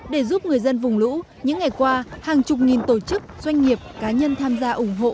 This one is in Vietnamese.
để giúp người dân vùng lũ những ngày qua hàng chục nghìn tổ chức doanh nghiệp cá nhân tham gia ủng hộ